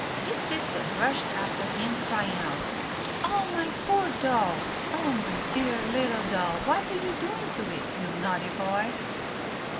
His sister rushed after him, crying out, "Oh, my poor doll! oh, my dear little doll! What are you doing to it, you naughty boy?"